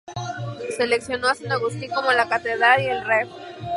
Seleccionó a San Agustín como la catedral y el Rev.